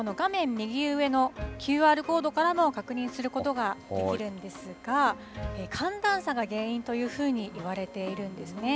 右上のＱＲコードからも確認することができるんですが、寒暖差が原因というふうにいわれているんですね。